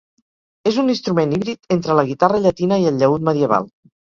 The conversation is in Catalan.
És un instrument híbrid entre la guitarra llatina i el llaüt medieval.